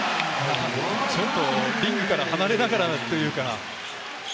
ちょっとリングから離れながらというか。